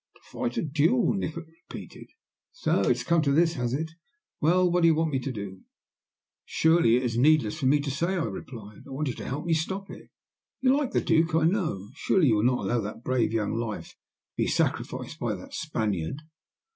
"To fight a duel?" Nikola repeated. "So it has come to this, has it? Well, what do you want me to do?" "Surely it is needless for me to say," I replied. "I want you to help me to stop it. You like the Duke, I know. Surely you will not allow that brave young life to be sacrificed by that Spaniard?"